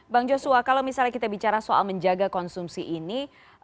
bang joshua kalau misalnya kita bicara soal menjaga konsumsi ini